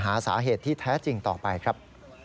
หาสาเหตุที่แท้จริงต่อไปครับ